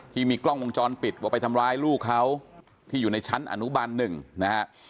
ที่มีกล้องวงจรปิดว่าไปทำร้ายลูกเขาที่อยู่ในชั้นอนุบันหนึ่งนะฮะ